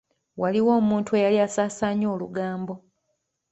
Waliwo omuntu eyali asaasaanya olugambo.